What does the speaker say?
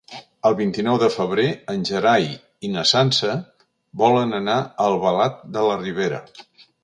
El vint-i-nou de febrer en Gerai i na Sança volen anar a Albalat de la Ribera.